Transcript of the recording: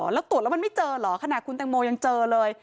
แล้วตรวจแล้วมันไม่เจอเหรอขนาดคุณแตงโมยังเจอเลย